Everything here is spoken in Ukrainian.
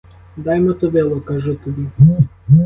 Дай мотовило, кажу тобі!